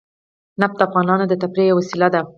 نفت د افغانانو د تفریح یوه وسیله ده.